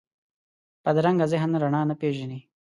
بدرنګه ذهن رڼا نه پېژني